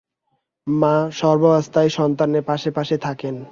মা সর্বাবস্থায় সন্তানের পাশে পাশে থাকেন।